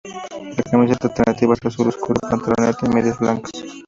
La camiseta alternativa es azul oscuro, pantaloneta y medias blancas.